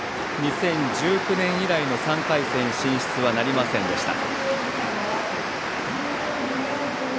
２０１９年以来の３回戦進出はなりませんでした。